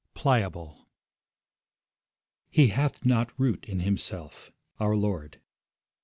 PLIABLE 'He hath not root in himself.' Our Lord.